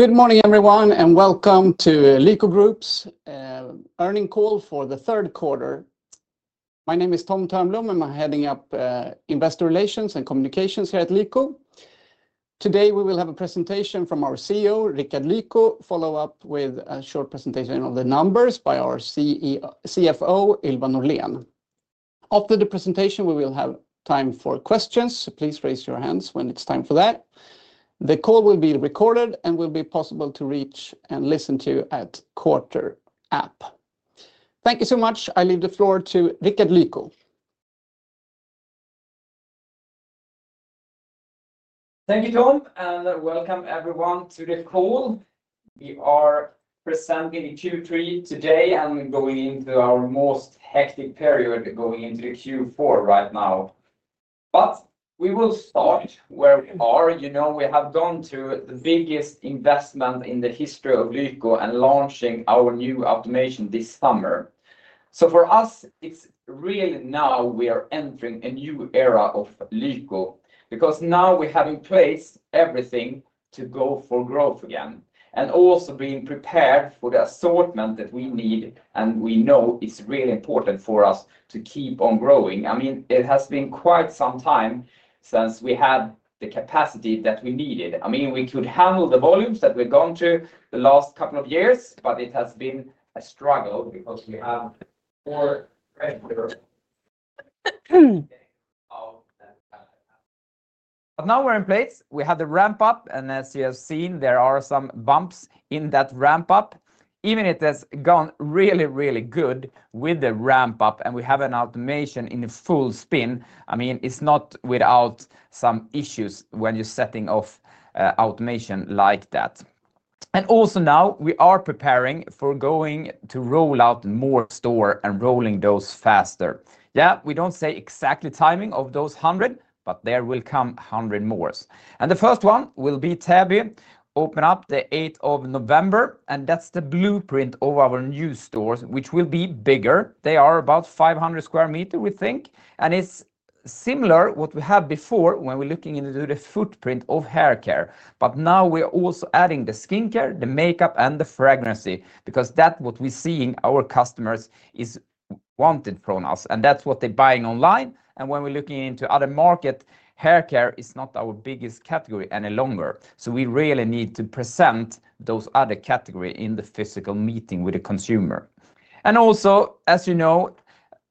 Good morning, everyone, and welcome to Lyko Group's earnings call for the third quarter. My name is Tom Thörnblom, and I'm heading up Investor Relations and Communications here at Lyko. Today, we will have a presentation from our CEO, Rickard Lyko, followed up with a short presentation of the numbers by our CFO, Ylva Norlén. After the presentation, we will have time for questions, so please raise your hands when it's time for that. The call will be recorded and will be possible to reach and listen to at Quartr app. Thank you so much. I leave the floor to Rickard Lyko. Thank you, Tom, and welcome, everyone, to the call. We are presenting the Q3 today and going into our most hectic period, going into the Q4 right now. We will start where we are. You know, we have gone through the biggest investment in the history of Lyko and launching our new automation this summer. For us, it's really now we are entering a new era of Lyko because now we have in place everything to go for growth again and also being prepared for the assortment that we need. We know it's really important for us to keep on growing. I mean, it has been quite some time since we had the capacity that we needed. I mean, we could handle the volumes that we've gone through the last couple of years, but it has been a struggle because we have four creditors. Now we're in place. We had the ramp-up, and as you have seen, there are some bumps in that ramp-up. Even if it has gone really, really good with the ramp-up and we have an automation in full spin, it's not without some issues when you're setting off automation like that. Also, now we are preparing for going to roll out more stores and rolling those faster. We don't say exactly the timing of those 100, but there will come 100 more. The first one will be Täby, open up the 8th of November, and that's the blueprint of our new stores, which will be bigger. They are about 500 sq m, we think. It's similar to what we had before when we're looking into the footprint of hair care. Now we're also adding the skincare, the makeup, and the fragrance because that's what we're seeing our customers want from us, and that's what they're buying online. When we're looking into other markets, hair care is not our biggest category any longer. We really need to present those other categories in the physical meeting with the consumer. Also, as you know,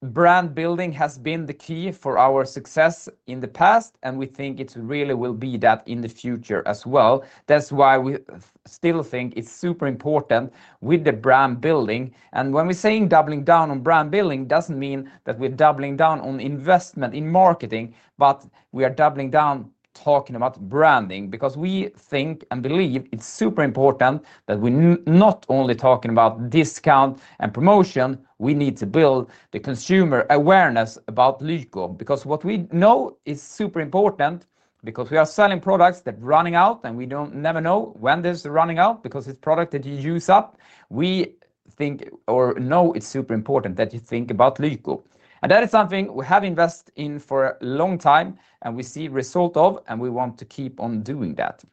brand building has been the key for our success in the past, and we think it really will be that in the future as well. That's why we still think it's super important with the brand building. When we're saying doubling down on brand building, it doesn't mean that we're doubling down on investment in marketing, but we are doubling down talking about branding because we think and believe it's super important that we're not only talking about discounts and promotions. We need to build the consumer awareness about Lyko. What we know is super important because we are selling products that are running out, and we never know when there's a running out because it's a product that you use up. We think or know it's super important that you think about Lyko. That is something we have invested in for a long time, and we see the result of, and we want to keep on doing that.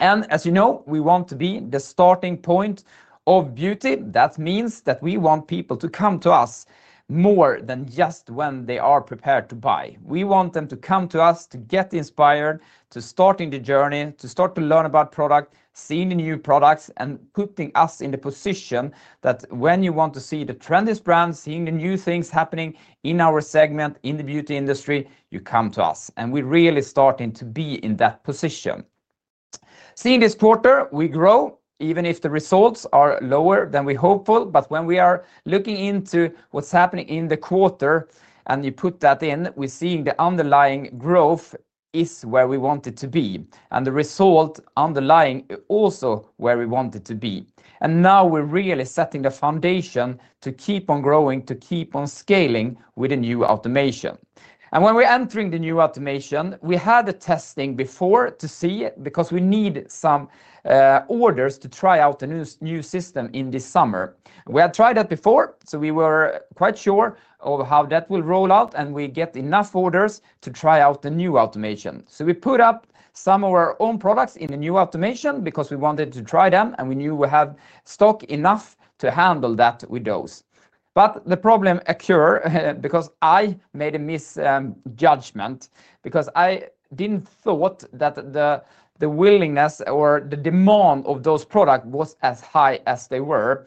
As you know, we want to be the starting point of beauty. That means that we want people to come to us more than just when they are prepared to buy. We want them to come to us to get inspired, to start the journey, to start to learn about products, seeing the new products, and putting us in the position that when you want to see the trendiest brands, seeing the new things happening in our segment in the beauty industry, you come to us. We're really starting to be in that position. Seeing this quarter, we grow even if the results are lower than we were hopeful. When we are looking into what's happening in the quarter and you put that in, we're seeing the underlying growth is where we want it to be. The result underlying is also where we want it to be. Now we're really setting the foundation to keep on growing, to keep on scaling with the new automation. When we're entering the new automation, we had the testing before to see because we need some orders to try out the new system in this summer. We had tried that before, so we were quite sure of how that will roll out and we get enough orders to try out the new automation. We put up some of our own products in the new automation because we wanted to try them and we knew we had stock enough to handle that with those. The problem occurred because I made a misjudgment because I didn't think that the willingness or the demand of those products was as high as they were.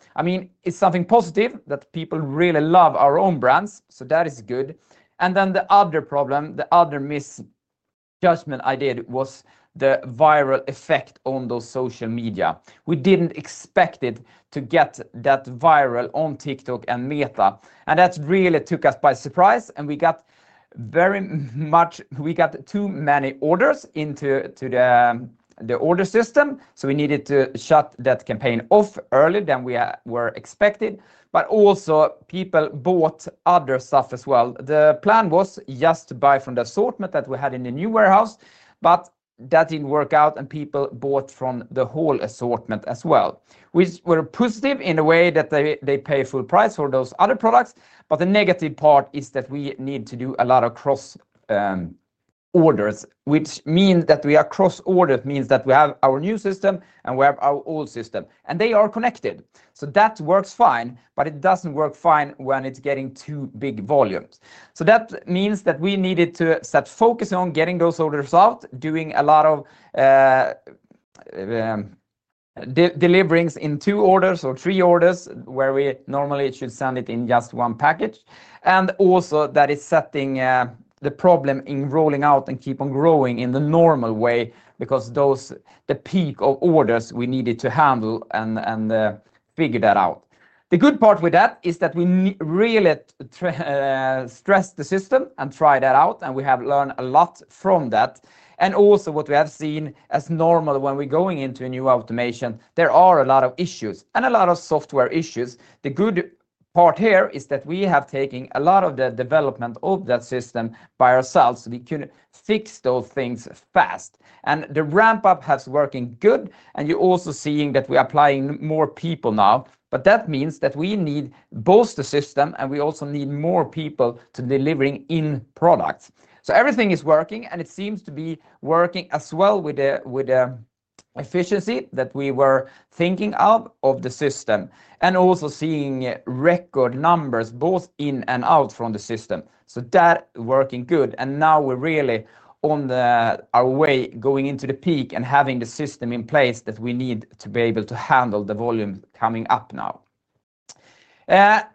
It's something positive that people really love our own brands, so that is good. The other problem, the other misjudgment I did was the viral effect on those social media. We didn't expect it to get that viral on TikTok and Meta. That really took us by surprise. We got very much, we got too many orders into the order system. We needed to shut that campaign off earlier than we were expected. Also, people bought other stuff as well. The plan was just to buy from the assortment that we had in the new warehouse, but that didn't work out and people bought from the whole assortment as well, which was positive in a way that they pay full price for those other products. The negative part is that we need to do a lot of cross-orders, which means that we are cross-ordered. It means that we have our new system and we have our old system, and they are connected. That works fine, but it doesn't work fine when it's getting too big volumes. That means that we needed to start focusing on getting those orders out, doing a lot of deliverings in two orders or three orders where we normally should send it in just one package. Also, that is setting the problem in rolling out and keep on growing in the normal way because those are the peak of orders we needed to handle and figure that out. The good part with that is that we really stressed the system and tried that out, and we have learned a lot from that. Also, what we have seen as normal when we're going into a new automation investment, there are a lot of issues and a lot of software issues. The good part here is that we have taken a lot of the development of that system by ourselves, so we can fix those things fast. The ramp-up has been working good, and you're also seeing that we're applying more people now. That means that we need to bolster the system, and we also need more people to deliver in products. Everything is working, and it seems to be working as well with the efficiency that we were thinking of the system and also seeing record numbers both in and out from the system. That is working good. Now we're really on our way going into the peak and having the system in place that we need to be able to handle the volume coming up now.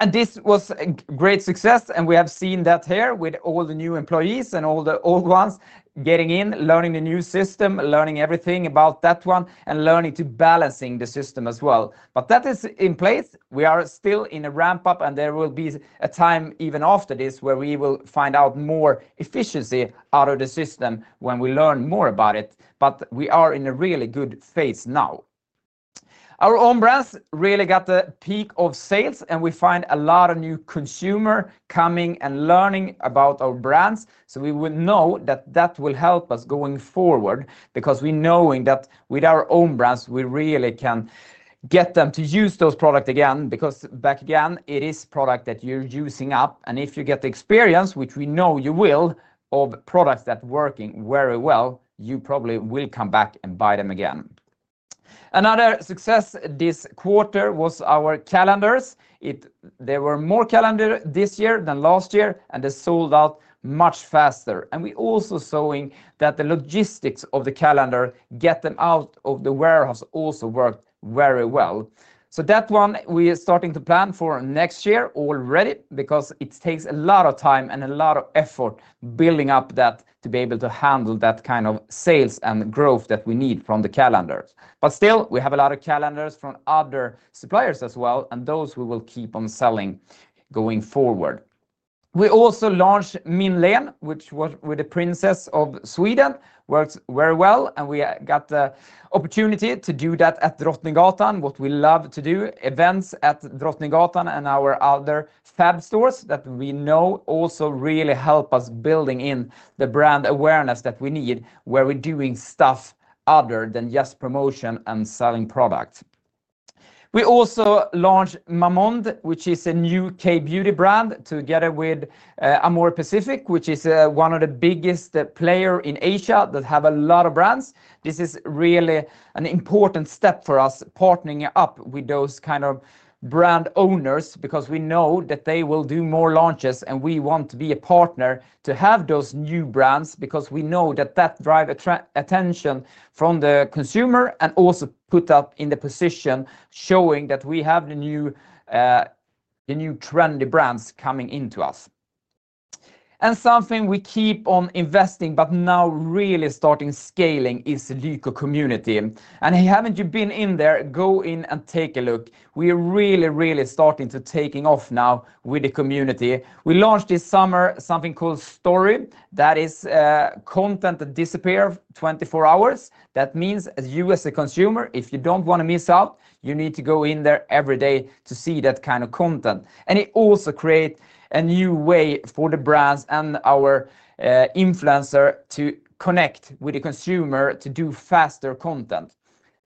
This was a great success, and we have seen that here with all the new employees and all the old ones getting in, learning the new system, learning everything about that one, and learning to balance the system as well. That is in place. We are still in a ramp-up, and there will be a time even after this where we will find out more efficiency out of the system when we learn more about it. We are in a really good phase now. Our own brands really got the peak of sales, and we find a lot of new consumers coming and learning about our brands. We know that will help us going forward because we know that with our own brands, we really can get them to use those products again because back again, it is a product that you're using up. If you get the experience, which we know you will, of products that are working very well, you probably will come back and buy them again. Another success this quarter was our calendars. There were more calendars this year than last year, and they sold out much faster. We're also seeing that the logistics of the calendar, getting them out of the warehouse, also worked very well. That one we're starting to plan for next year already because it takes a lot of time and a lot of effort building up that to be able to handle that kind of sales and growth that we need from the calendars. Still, we have a lot of calendars from other suppliers as well, and those we will keep on selling going forward. We also launched MinLen, which was with the Princess of Sweden, works very well. We got the opportunity to do that at Drottninggatan, what we love to do, events at Drottninggatan and our other fab stores that we know also really help us building in the brand awareness that we need where we're doing stuff other than just promotion and selling products. We also launched Mamonde, which is a new K-beauty brand together with Amorepacific, which is one of the biggest players in Asia that has a lot of brands. This is really an important step for us partnering up with those kind of brand owners because we know that they will do more launches, and we want to be a partner to have those new brands because we know that that drives attention from the consumer and also puts us in the position showing that we have the new trendy brands coming into us. Something we keep on investing but now really starting scaling is the Lyko community. Haven't you been in there? Go in and take a look. We're really, really starting to take off now with the community. We launched this summer something called Story. That is content that disappears 24 hours. That means as you as a consumer, if you don't want to miss out, you need to go in there every day to see that kind of content. It also creates a new way for the brands and our influencers to connect with the consumer to do faster content.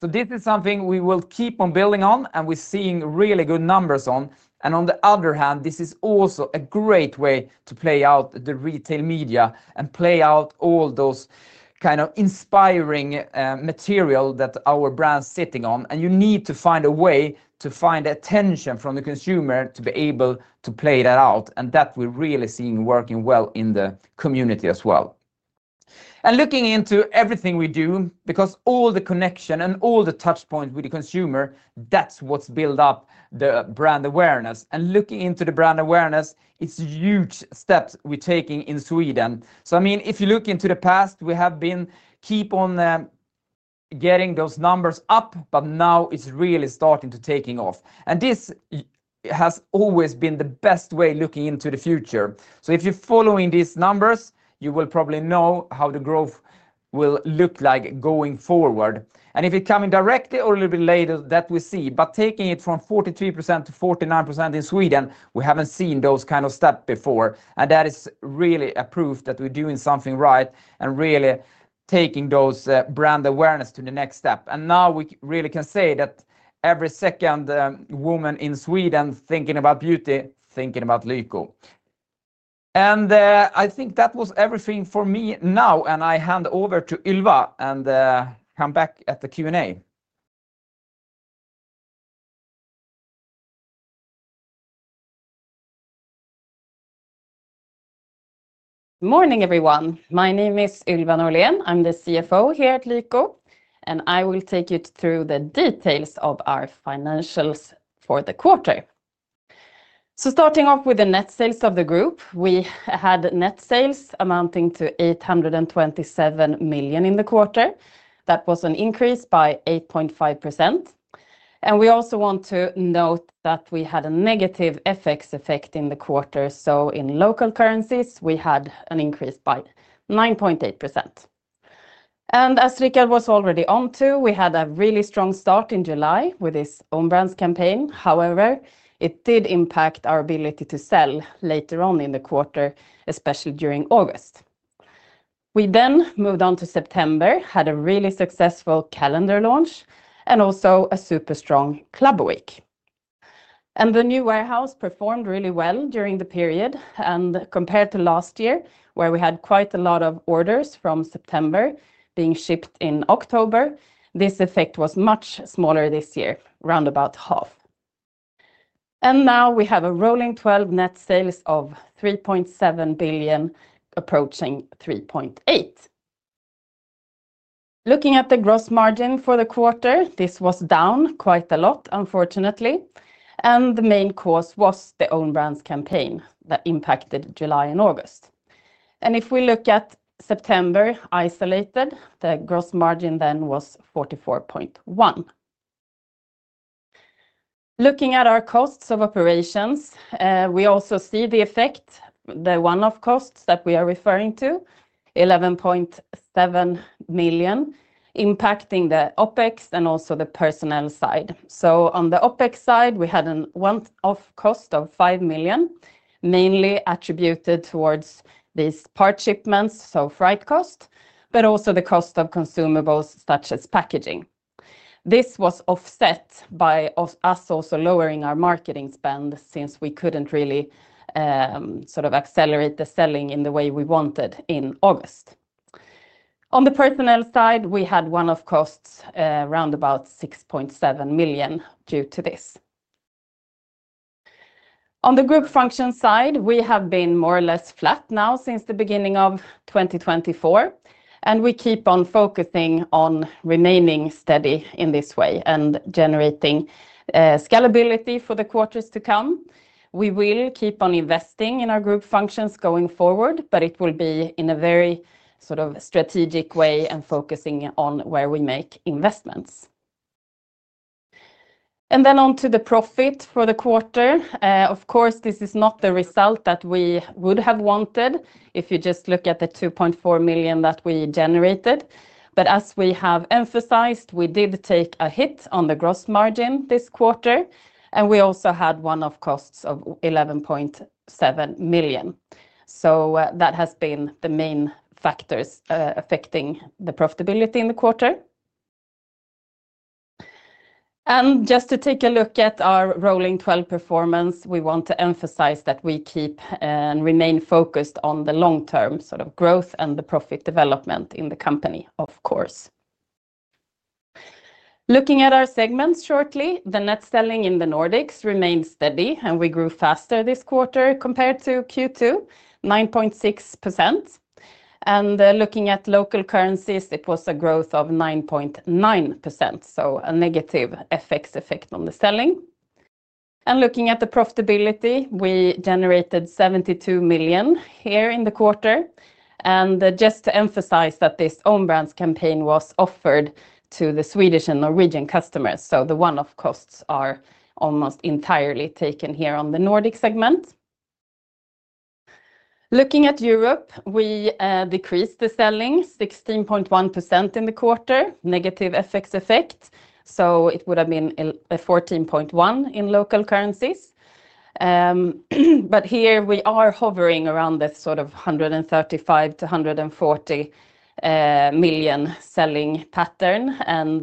This is something we will keep on building on, and we're seeing really good numbers on. On the other hand, this is also a great way to play out the retail media and play out all those kinds of inspiring material that our brands are sitting on. You need to find a way to find the attention from the consumer to be able to play that out. We're really seeing that working well in the community as well. Looking into everything we do, because all the connection and all the touchpoints with the consumer, that's what's built up the brand awareness. Looking into the brand awareness, it's a huge step we're taking in Sweden. If you look into the past, we have been keeping on getting those numbers up, but now it's really starting to take off. This has always been the best way looking into the future. If you're following these numbers, you will probably know how the growth will look like going forward. If it's coming directly or a little bit later, that we see. Taking it from 43%-49% in Sweden, we haven't seen those kinds of steps before. That is really a proof that we're doing something right and really taking that brand awareness to the next step. Now we really can say that every second woman in Sweden thinking about beauty, thinking about Lyko. I think that was everything for me now. I hand over to Ylva and come back at the Q&A. Morning, everyone. My name is Ylva Norlén. I'm the CFO here at Lyko, and I will take you through the details of our financials for the quarter. Starting off with the net sales of the group, we had net sales amounting to 827 million in the quarter. That was an increase by 8.5%. We also want to note that we had a negative FX effect in the quarter. In local currencies, we had an increase by 9.8%. As Rickard was already on to, we had a really strong start in July with this own-brand campaign. However, it did impact our ability to sell later on in the quarter, especially during August. We then moved on to September, had a really successful calendar launch, and also a super strong Club Week. The new warehouse performed really well during the period. Compared to last year, where we had quite a lot of orders from September being shipped in October, this effect was much smaller this year, around about half. Now we have a rolling 12-month net sales of 3.7 billion, approaching 3.8 billion. Looking at the gross margin for the quarter, this was down quite a lot, unfortunately. The main cause was the own-brand campaign that impacted July and August. If we look at September isolated, the gross margin then was 44.1%. Looking at our costs of operations, we also see the effect, the one-off costs that we are referring to, 11.7 million, impacting the OpEx and also the personnel side. On the OpEx side, we had a one-off cost of 5 million, mainly attributed towards these part shipments, so freight cost, but also the cost of consumables such as packaging. This was offset by us also lowering our marketing spend since we couldn't really sort of accelerate the selling in the way we wanted in August. On the personnel side, we had one-off costs around about 6.7 million due to this. On the group function side, we have been more or less flat now since the beginning of 2024. We keep on focusing on remaining steady in this way and generating scalability for the quarters to come. We will keep on investing in our group functions going forward, but it will be in a very sort of strategic way and focusing on where we make investments. Onto the profit for the quarter. Of course, this is not the result that we would have wanted if you just look at the 2.4 million that we generated. As we have emphasized, we did take a hit on the gross margin this quarter. We also had one-off costs of 11.7 million. That has been the main factor affecting the profitability in the quarter. Just to take a look at our rolling 12-month performance, we want to emphasize that we keep and remain focused on the long-term growth and the profit development in the company, of course. Looking at our segments shortly, the net selling in the Nordics remains steady, and we grew faster this quarter compared to Q2, 9.6%. Looking at local currencies, it was a growth of 9.9%, so a negative FX effect on the selling. Looking at the profitability, we generated 72 million here in the quarter. Just to emphasize, this own-brand campaign was offered to the Swedish and Norwegian customers, so the one-off costs are almost entirely taken here on the Nordic segment. Looking at Europe, we decreased the selling 16.1% in the quarter, negative FX effect. It would have been 14.1% in local currencies. Here we are hovering around this 135 million-140 million selling pattern.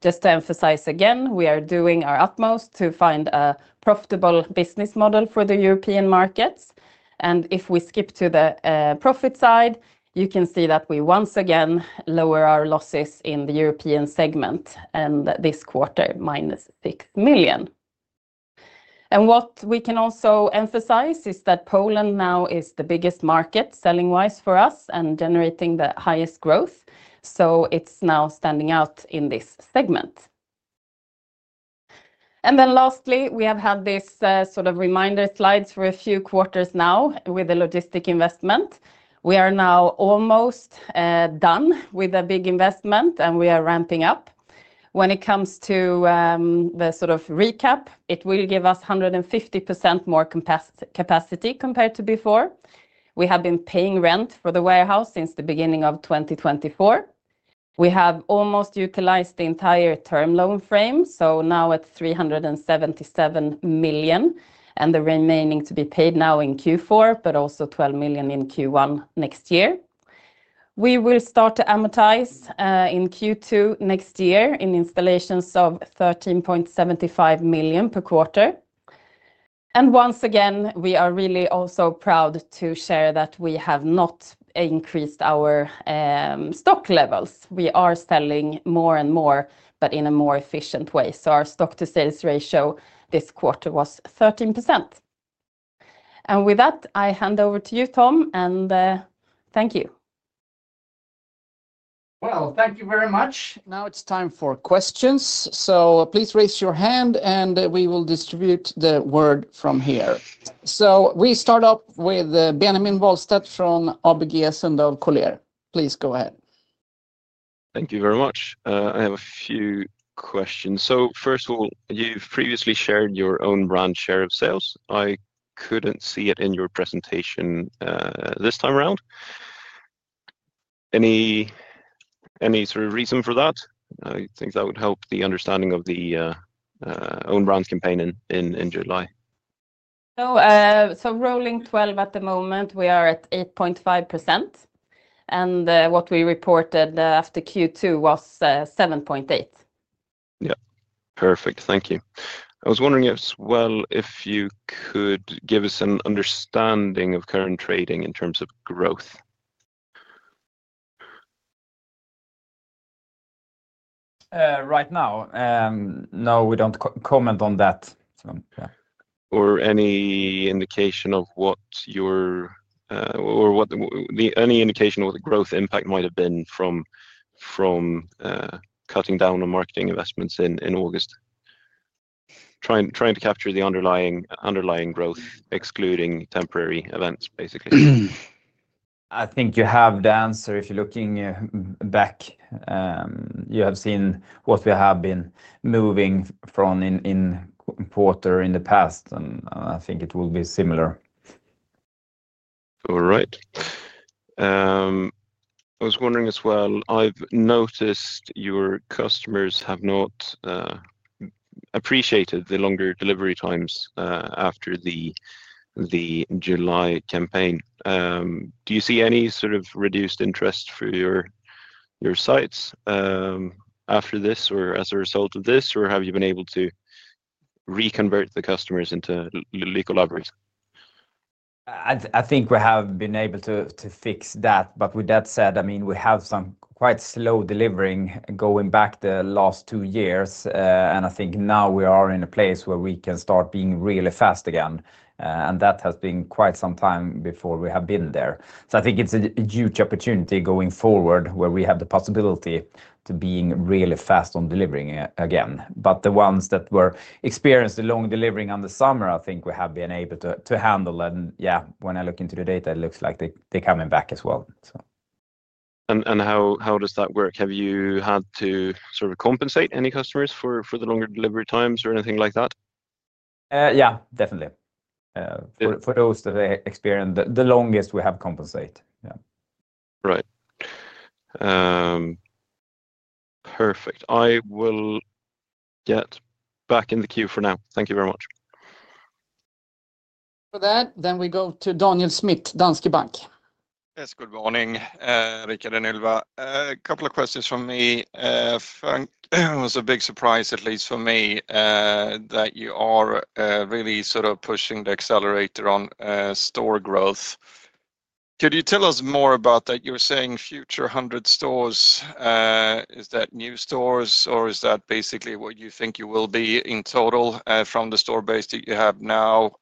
Just to emphasize again, we are doing our utmost to find a profitable business model for the European markets. If we skip to the profit side, you can see that we once again lower our losses in the European segment this quarter, -6 million. What we can also emphasize is that Poland now is the biggest market selling-wise for us and generating the highest growth, so it's now standing out in this segment. Lastly, we have had this reminder slide for a few quarters now with the logistics investment. We are now almost done with the big investment, and we are ramping up. When it comes to the recap, it will give us 150% more capacity compared to before. We have been paying rent for the warehouse since the beginning of 2024. We have almost utilized the entire term loan frame, so now at 377 million and the remaining to be paid now in Q4, but also 12 million in Q1 next year. We will start to amortize in Q2 next year in installments of 13.75 million per quarter. Once again, we are really also proud to share that we have not increased our stock levels. We are selling more and more, but in a more efficient way. Our stock-to-sales ratio this quarter was 13%. With that, I hand over to you, Tom, and thank you. Thank you very much. Now it's time for questions. Please raise your hand, and we will distribute the word from here. We start up with Benjamin Wahlstedt from ABG Sundal Collier. Please go ahead. Thank you very much. I have a few questions. First of all, you've previously shared your own brand share of sales. I couldn't see it in your presentation this time around. Is there any sort of reason for that? I think that would help the understanding of the own-brand campaign in July. Rolling 12 at the moment, we are at 8.5%. What we reported after Q2 was 7.8%. Yeah. Perfect. Thank you. I was wondering if you could give us an understanding of current trading in terms of growth. Right now, no, we don't comment on that. Do you have any indication of what the growth impact might have been from cutting down on marketing investments in August, trying to capture the underlying growth, excluding temporary events, basically? I think you have the answer if you're looking back. You have seen what we have been moving from in quarter in the past, and I think it will be similar. All right. I was wondering as well, I've noticed your customers have not appreciated the longer delivery times after the July campaign. Do you see any sort of reduced interest for your sites after this or as a result of this, or have you been able to reconvert the customers into Lyko Library? I think we have been able to fix that. With that said, I mean, we have some quite slow delivering going back the last two years. I think now we are in a place where we can start being really fast again. That has been quite some time before we have been there. I think it's a huge opportunity going forward where we have the possibility to be really fast on delivering again. The ones that were experienced in long delivering in the summer, I think we have been able to handle. When I look into the data, it looks like they're coming back as well. How does that work? Have you had to sort of compensate any customers for the longer delivery times or anything like that? Yeah, definitely. For those that experience the longest, we have compensated. Right. Perfect. I will get back in the queue for now. Thank you very much. For that, we go to Daniel Schmidt, Danske Bank. Yes, good morning, Rickard and Ylva. A couple of questions from me. It was a big surprise, at least for me, that you are really sort of pushing the accelerator on store growth. Could you tell us more about that? You were saying future 100 stores. Is that new stores, or is that basically what you think you will be in total from the store base that you have now?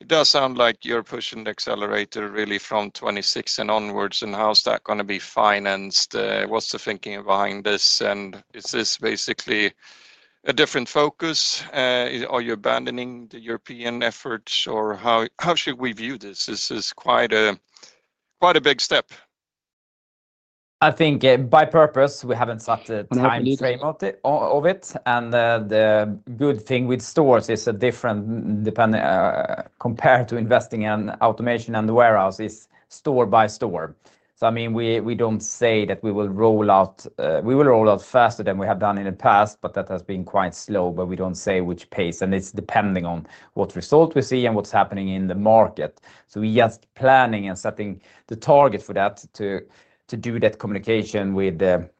It does sound like you're pushing the accelerator really from 2026 and onwards. How's that going to be financed? What's the thinking behind this? Is this basically a different focus? Are you abandoning the European efforts, or how should we view this? This is quite a big step. I think by purpose, we haven't set the time frame of it. The good thing with stores, as different compared to investing in automation and warehouses, is store by store. I mean, we don't say that we will roll out faster than we have done in the past, but that has been quite slow. We don't say which pace, and it's depending on what result we see and what's happening in the market. We're just planning and setting the target for that, to do that communication with the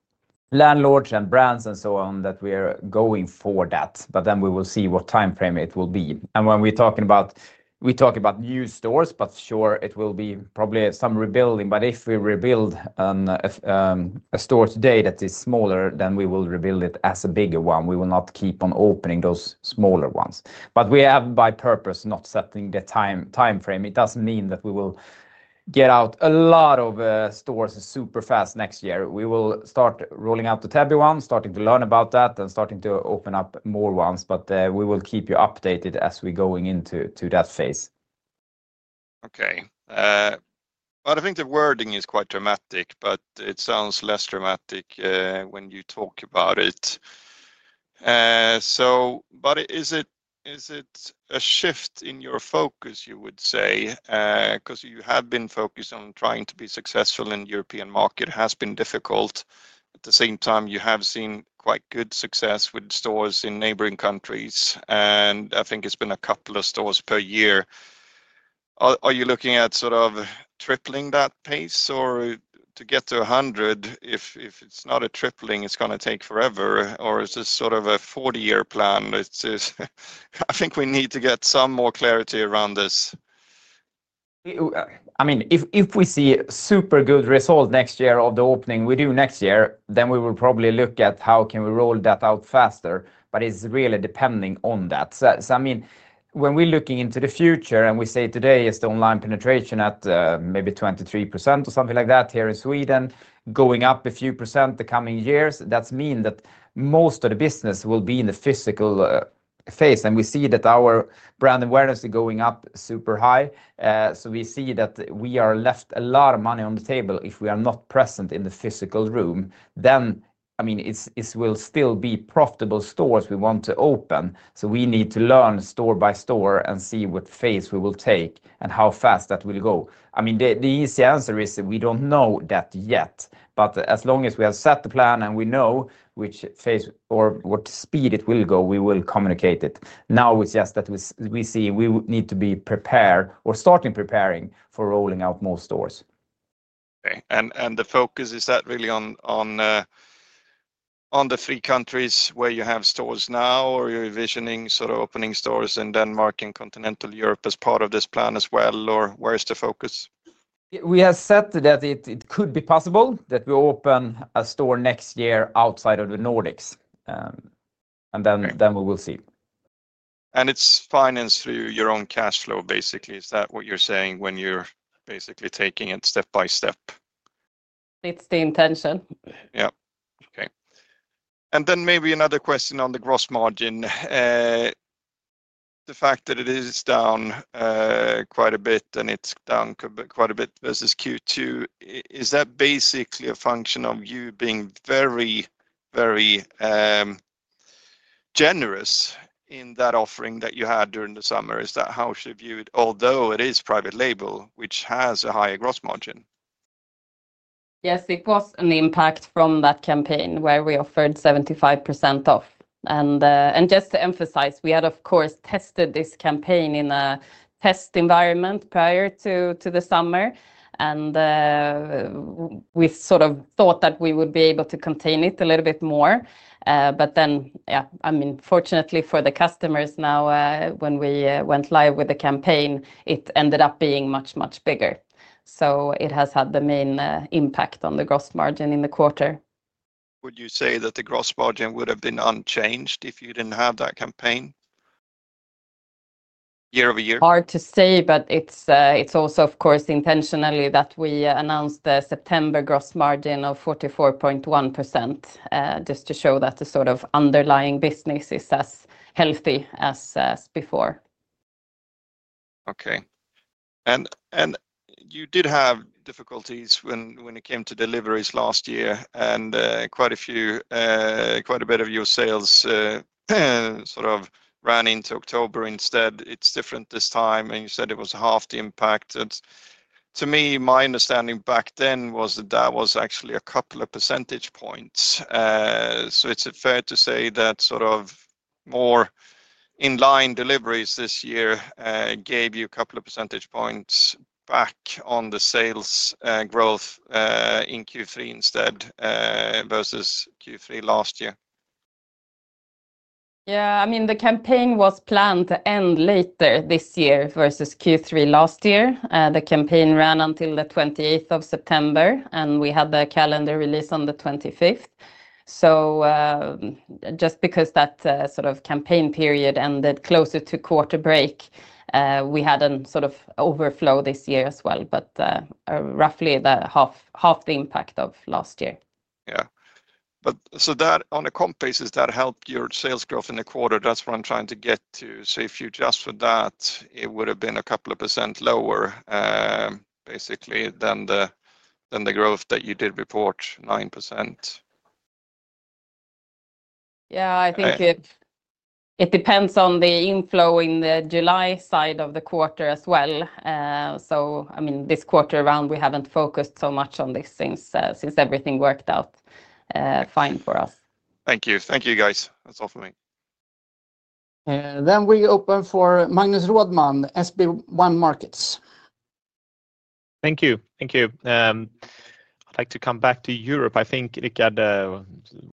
landlords and brands and so on, that we are going for that. We will see what time frame it will be. When we're talking about it, we talk about new stores, but sure, it will be probably some rebuilding. If we rebuild a store today that is smaller, then we will rebuild it as a bigger one. We will not keep on opening those smaller ones. We have, by purpose, not set the time frame. It doesn't mean that we will get out a lot of stores super fast next year. We will start rolling out the Täby one, starting to learn about that, and starting to open up more ones. We will keep you updated as we're going into that phase. Okay. I think the wording is quite dramatic, but it sounds less dramatic when you talk about it. Is it a shift in your focus, you would say, because you have been focused on trying to be successful in the European market? It has been difficult. At the same time, you have seen quite good success with stores in neighboring countries. I think it's been a couple of stores per year. Are you looking at sort of tripling that pace? To get to 100, if it's not a tripling, it's going to take forever. Is this sort of a 40-year plan? I think we need to get some more clarity around this. I mean, if we see a super good result next year of the opening we do next year, we will probably look at how we can roll that out faster. It is really depending on that. When we're looking into the future and we say today the online penetration is at maybe 23% or something like that here in Sweden, going up a few percent in the coming years, that means that most of the business will be in the physical phase. We see that our brand awareness is going up super high. We see that we are left a lot of money on the table if we are not present in the physical room. It will still be profitable stores we want to open. We need to learn store by store and see what phase we will take and how fast that will go. The easy answer is we don't know that yet. As long as we have set the plan and we know which phase or what speed it will go, we will communicate it. Now it's just that we see we need to be prepared or start preparing for rolling out more stores. Okay. Is that really on the three countries where you have stores now, or are you envisioning opening stores in Denmark and continental Europe as part of this plan as well? Where is the focus? We have said that it could be possible that we open a store next year outside of the Nordics. We will see. It is financed through your own cash flow, basically. Is that what you're saying when you're basically taking it step by step? It's the intention. Okay. Maybe another question on the gross margin. The fact that it is down quite a bit and it's down quite a bit versus Q2, is that basically a function of you being very, very generous in that offering that you had during the summer? Is that how should you view it, although it is private label, which has a higher gross margin? Yes, it was an impact from that campaign where we offered 75% off. Just to emphasize, we had, of course, tested this campaign in a test environment prior to the summer. We sort of thought that we would be able to contain it a little bit more. Fortunately for the customers now, when we went live with the campaign, it ended up being much, much bigger. It has had the main impact on the gross margin in the quarter. Would you say that the gross margin would have been unchanged if you didn't have that campaign year-over-year? Hard to say, but it's also, of course, intentional that we announced the September gross margin of 44.1% just to show that the sort of underlying business is as healthy as before. Okay. You did have difficulties when it came to deliveries last year, and quite a bit of your sales sort of ran into October instead. It's different this time. You said it was half the impact. To me, my understanding back then was that that was actually a couple of percentage points. It's fair to say that more in-line deliveries this year gave you a couple of percentage points back on the sales growth in Q3 instead versus Q3 last year. Yeah. I mean, the campaign was planned to end later this year versus Q3 last year. The campaign ran until the 28th of September, and we had the calendar release on the 25th. Just because that sort of campaign period ended closer to quarter break, we had a sort of overflow this year as well, but roughly half the impact of last year. On a comp basis, that helped your sales growth in the quarter. That's what I'm trying to get to. If you adjust for that, it would have been a couple of percent lower, basically, than the growth that you did report, 9%. I think it depends on the inflow in the July side of the quarter as well. This quarter around, we haven't focused so much on this since everything worked out fine for us. Thank you. Thank you, guys. That's all for me. We open for Magnus Råman, SB1 Markets. Thank you. Thank you. I'd like to come back to Europe. I think, Rickard,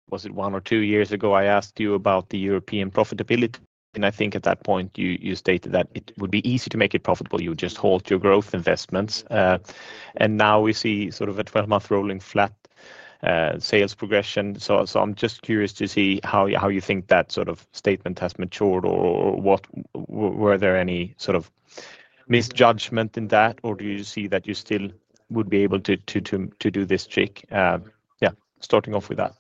was it one or two years ago I asked you about the European profitability? I think at that point, you stated that it would be easy to make it profitable. You would just hold your growth investments. Now we see sort of a 12-month rolling flat sales progression. I'm just curious to see how you think that sort of statement has matured, or were there any sort of misjudgment in that, or do you see that you still would be able to do this trick? Yeah, starting off with that.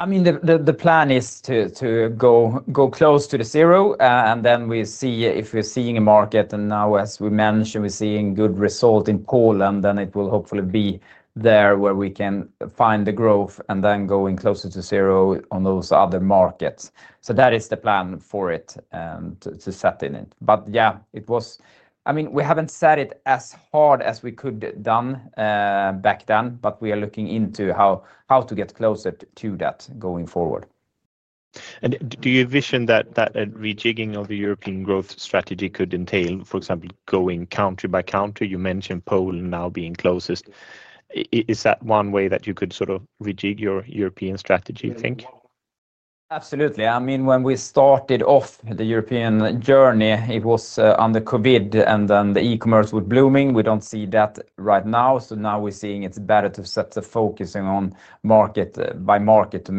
I mean, the plan is to go close to the zero. Then we see if we're seeing a market. Now, as we mentioned, we're seeing good results in Poland. It will hopefully be there where we can find the growth and then going closer to zero on those other markets. That is the plan for it and to set in it. We haven't set it as hard as we could have done back then, but we are looking into how to get closer to that going forward. Do you envision that rejigging of the European growth strategy could entail, for example, going country by country? You mentioned Poland now being closest. Is that one way that you could sort of rejig your European strategy, you think? Absolutely. I mean, when we started off the European journey, it was under COVID, and then the e-commerce was blooming. We don't see that right now. Now we're seeing it's better to set the focus on market by market to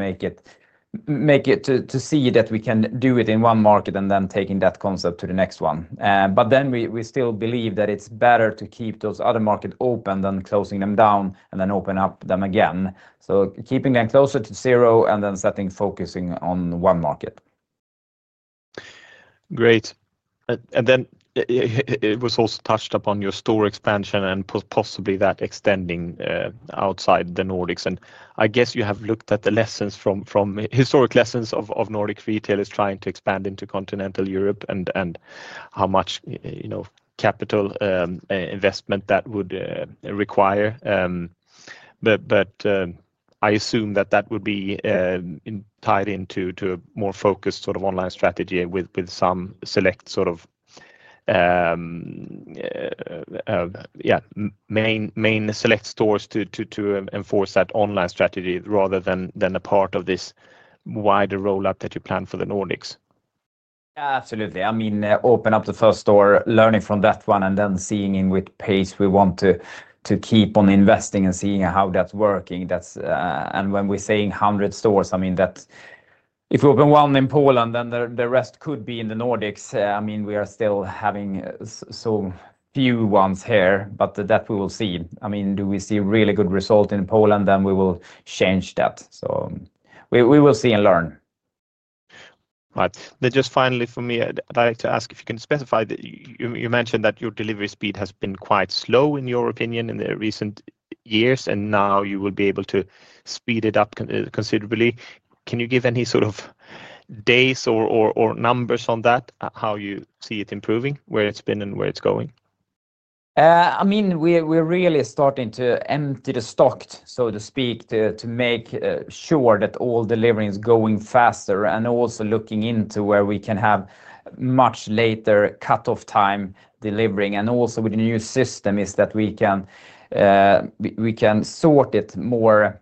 make it to see that we can do it in one market and then taking that concept to the next one. We still believe that it's better to keep those other markets open than closing them down and then opening up them again. Keeping them closer to zero and then setting focusing on one market. Great. It was also touched upon your store expansion and possibly that extending outside the Nordics. I guess you have looked at the lessons from historic lessons of Nordic retailers trying to expand into continental Europe and how much capital investment that would require. I assume that that would be tied into a more focused sort of online strategy with some select sort of, yeah, main select stores to enforce that online strategy rather than a part of this wider rollout that you plan for the Nordics. Yeah, absolutely. I mean, open up the first store, learning from that one, and then seeing in which pace we want to keep on investing and seeing how that's working. When we're saying 100 stores, I mean that if we open one in Poland, then the rest could be in the Nordics. I mean, we are still having so few ones here, but that we will see. Do we see a really good result in Poland? Then we will change that. We will see and learn. Right. Finally, for me, I'd like to ask if you can specify that you mentioned that your delivery speed has been quite slow in your opinion in the recent years, and now you will be able to speed it up considerably. Can you give any sort of days or numbers on that, how you see it improving, where it's been and where it's going? I mean, we're really starting to empty the stock, so to speak, to make sure that all delivery is going faster and also looking into where we can have much later cutoff time delivering. Also, with the new system, we can sort it more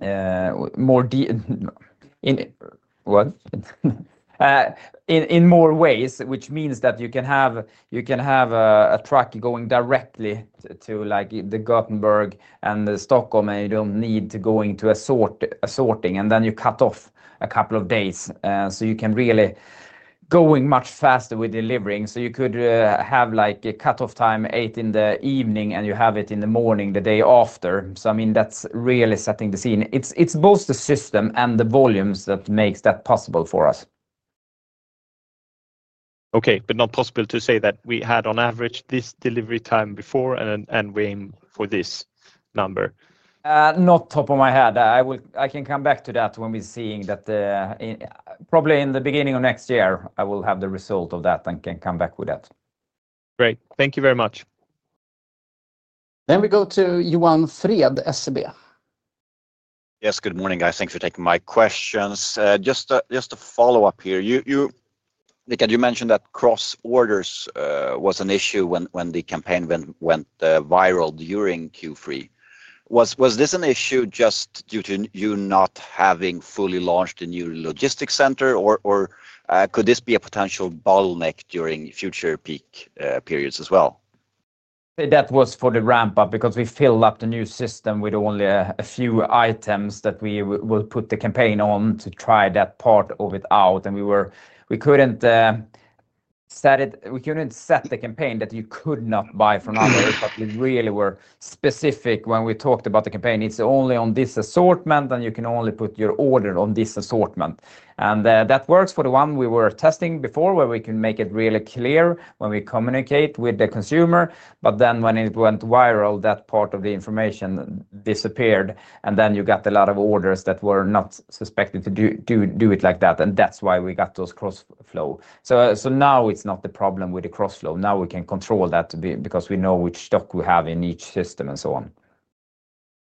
in more ways, which means that you can have a truck going directly to like Gothenburg and Stockholm, and you don't need to go into a sorting, and then you cut off a couple of days. You can really go much faster with delivering. You could have like a cutoff time at 8:00 in the evening, and you have it in the morning the day after. I mean, that's really setting the scene. It's both the system and the volumes that make that possible for us. Okay. It is not possible to say that we had on average this delivery time before, and we aim for this number? Not top of my head. I can come back to that when we're seeing that probably in the beginning of next year. I will have the result of that and can come back with that. Great. Thank you very much. We go to Johan Fred, SEB. Yes, good morning, guys. Thanks for taking my questions. Just a follow-up here. Rickard, you mentioned that cross-system shipments was an issue when the own-brand campaign went viral during Q3. Was this an issue just due to you not having fully launched a new logistics center, or could this be a potential bottleneck during future peak periods as well? That was for the ramp-up because we filled up the new system with only a few items that we will put the campaign on to try that part of it out. We couldn't set the campaign that you could not buy from others, but we really were specific when we talked about the campaign. It's only on this assortment, and you can only put your order on this assortment. That works for the one we were testing before where we can make it really clear when we communicate with the consumer. When it went viral, that part of the information disappeared, and you got a lot of orders that were not suspected to do it like that. That's why we got those cross-flow. Now it's not the problem with the cross-flow. Now we can control that because we know which stock we have in each system and so on.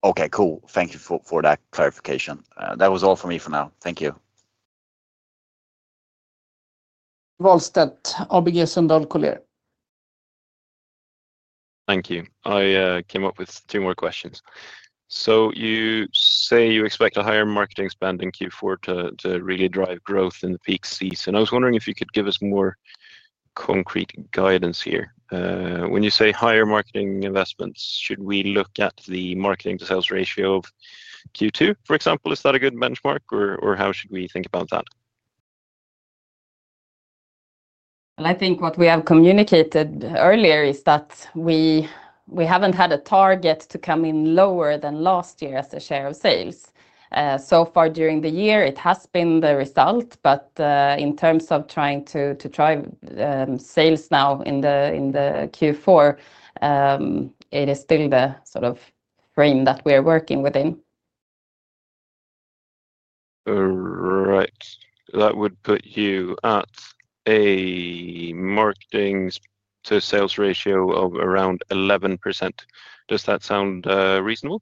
Okay, cool. Thank you for that clarification. That was all for me for now. Thank you. Wahlstedt, ABG Sundal Collier. Thank you. I came up with two more questions. You say you expect a higher marketing spend in Q4 to really drive growth in the peak season. I was wondering if you could give us more concrete guidance here. When you say higher marketing investments, should we look at the marketing to sales ratio of Q2, for example? Is that a good benchmark, or how should we think about that? I think what we have communicated earlier is that we haven't had a target to come in lower than last year as a share of sales. So far during the year, it has been the result. In terms of trying to drive sales now in the Q4, it is still the sort of frame that we are working within. All right. That would put you at a marketing to sales ratio of around 11%. Does that sound reasonable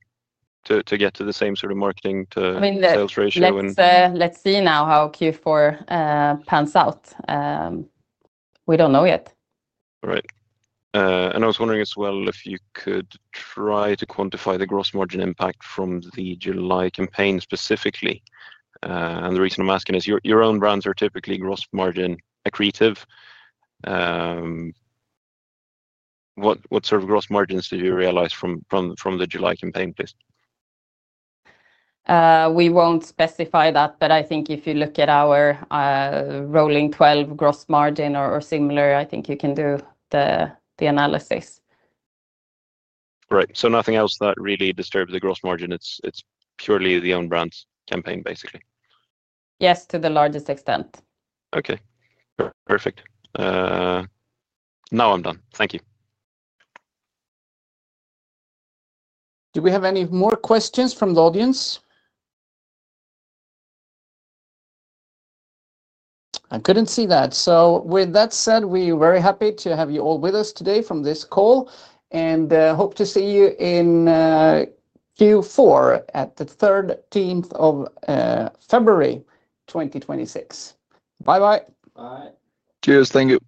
to get to the same sort of marketing to sales ratio? I mean, let's see now how Q4 pans out. We don't know yet. All right. I was wondering as well if you could try to quantify the gross margin impact from the July campaign specifically. The reason I'm asking is your own brands are typically gross margin accretive. What sort of gross margins did you realize from the July campaign, please? We won't specify that, but I think if you look at our rolling 12-month gross margin or similar, I think you can do the analysis. Great. Nothing else really disturbs the gross margin. It's purely the own-brand campaign, basically. Yes, to the largest extent. Okay. Perfect. Now I'm done. Thank you. Do we have any more questions from the audience? I couldn't see that. With that said, we are very happy to have you all with us today from this call and hope to see you in Q4 at the 13th of February 2026. Bye-bye. Bye. Cheers. Thank you.